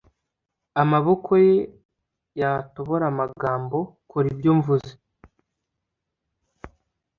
amaboko ye yatobora amagambo, kora ibyo mvuze.